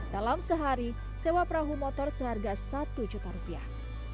dalam sehari sewa perahu motor seharga satu juta rupiah